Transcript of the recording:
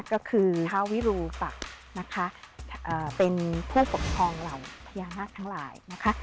ก็คือเท้าวิรุปะนะคะเป็นผู้ปกครองเหล่าพญานาคต์ทั้งหลายนะคะ